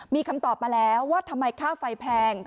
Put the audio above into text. มีคำตอบมาแล้วว่าทำไมค่าไฟแพง